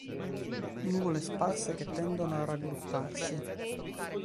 Nuvole sparse che tendono a raggrupparsi.